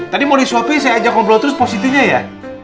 tadi mau disuapin saya ajak ngobrol terus pos siti nya ya